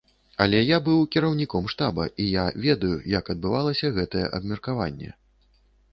Але я быў кіраўніком штаба і я ведаю, як адбывалася гэтае абмеркаванне.